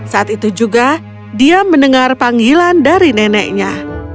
saat itu juga dia mendengar panggilan dari neneknya